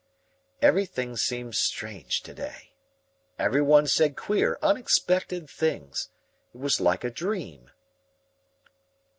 Everything seemed strange to day. Everyone said queer, unexpected things. It was like a dream.